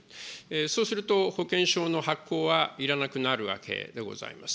そうすると保険証の発行はいらなくなるわけでございます。